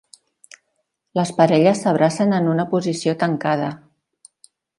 Les parelles s'abracen en una posició tancada.